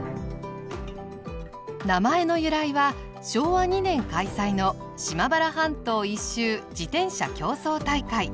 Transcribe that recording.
名前の由来は昭和２年開催の島原半島一周自転車競争大会。